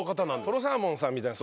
とろサーモンさんみたいな。